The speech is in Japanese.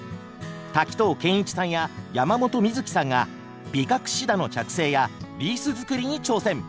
滝藤賢一さんや山本美月さんがビカクシダの着生やリース作りに挑戦。